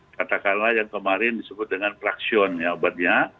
katakanlah yang kemarin disebut dengan praksion ya obatnya